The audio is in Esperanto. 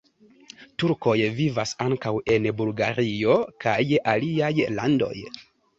Turkoj vivas ankaŭ en Bulgario kaj aliaj landoj.